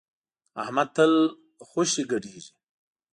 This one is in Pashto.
احمد تل خوشی ګډېږي.